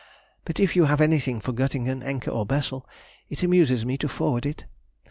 But if you have anything for Göttingen, Encke, or Bessel, it amuses me to forward it.